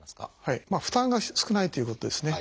負担が少ないということですね。